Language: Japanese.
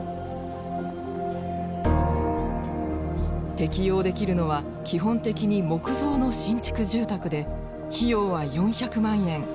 適用できるのは基本的に木造の新築住宅で費用は４００万円。